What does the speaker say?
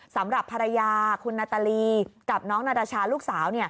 สำหรับภรรยาคุณนาตาลีกับน้องนาราชาลูกสาว